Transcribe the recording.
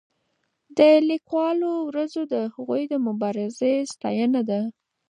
د لیکوالو ورځ د هغوی د مبارزې ستاینه ده.